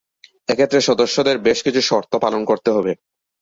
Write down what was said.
এক্ষেত্রে সদস্যদের বেশকিছু শর্ত পালন করতে হবে।